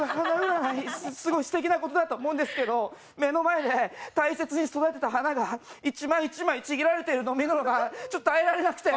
すごいすてきなことだとは思うんですけど、目の前で、大切に育てた花が１枚１枚ちぎられているのを見るのがちょっと耐えられなくて。